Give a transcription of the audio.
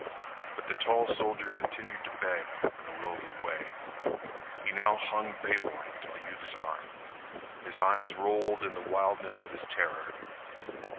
But the tall soldier continued to beg in a lowly way. He now hung babelike to the youth's arm. His eyes rolled in the wildness of his terror.